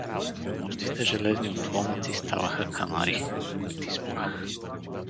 Мъртвите железни отломъци ставаха канари, покрити с мъх.